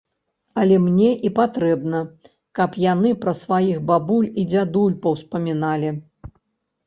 Але мне і патрэбна, каб яны пра сваіх бабуль і дзядуль паўспаміналі.